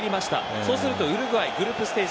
そうするとウルグアイグループステージ